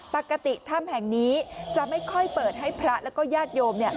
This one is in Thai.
ปกติถ้ำแห่งนี้จะไม่ค่อยเปิดให้พระแล้วก็ญาติโยม